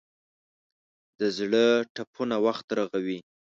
د زړه ټپونه وخت رغوي.